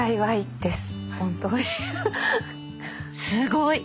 すごい！